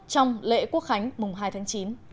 trong lễ quốc khánh hai tháng chín